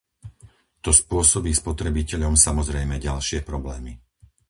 To spôsobí spotrebiteľom samozrejme ďalšie problémy.